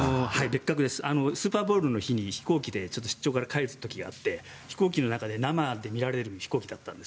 スーパーボウルの日に飛行機で出張から帰る時があって飛行機の中で生で見られる飛行機だったんです。